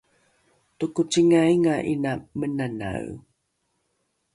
tokocingainga ’ina menanae